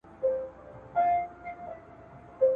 بشري قوانین تل بشپړ او عادلانه نه وي.